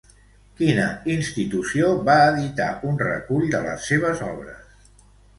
Quina institució va editar un recull de les seves obres?